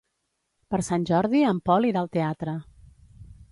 Per Sant Jordi en Pol irà al teatre.